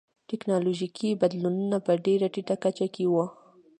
ټکنالوژیکي بدلونونه په ډېره ټیټه کچه کې و